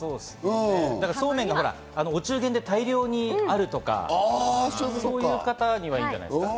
そうめんがお中元で大量にあるとか、そういう方にはいいんじゃないですか？